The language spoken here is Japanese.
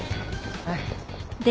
はい。